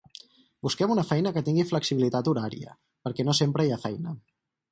Busquem una feina que tingui flexibilitat horària, perquè no sempre hi ha feina.